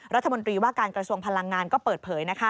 รัฐมนตรีว่าการกระทรวงพลังงานก็เปิดเผย